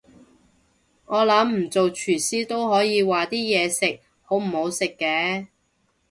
我諗唔做廚師都可以話啲嘢食好唔好食嘅